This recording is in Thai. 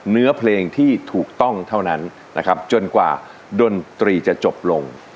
เนื้อเพลงที่ถูกต้องเท่านั้นนะครับจนกว่าดนตรีจะจบลง